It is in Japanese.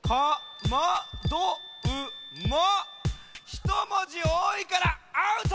ひと文字おおいからアウト！